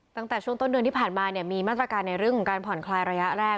ตั้งแต่ช่วงต้นเดือนที่ผ่านมาเนี่ยมีมาตรการในเรื่องของการผ่อนคลายระยะแรก